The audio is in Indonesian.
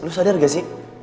lo sadar gak sih